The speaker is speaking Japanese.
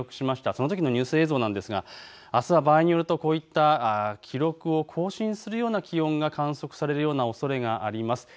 そのときのニュース映像なんですが、あすは場合によるとこういった記録を更新するような気温が観測されるようなおそれがあります。